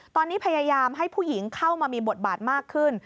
ตอนนี้พยายามให้ผู้หญิงเข้ามามีบทบาทมากขึ้น